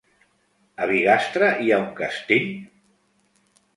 A Bigastre hi ha un castell?